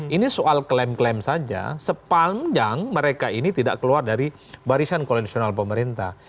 ini soal klaim klaim saja sepanjang mereka ini tidak keluar dari barisan koalisional pemerintah